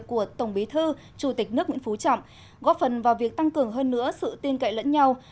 của tổng bí thư chủ tịch nước nguyễn phú trọng góp phần vào việc tăng cường hơn nữa sự tin cậy lẫn nhau